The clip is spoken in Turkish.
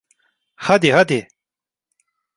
Hadi, hadi!